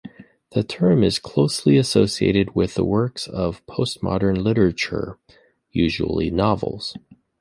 The term is closely associated with works of postmodern literature, usually novels.